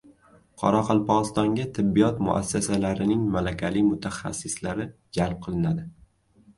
Qoraqalpog‘istonga tibbiyot muassasalarining malakali mutaxassislari jalb qilinadi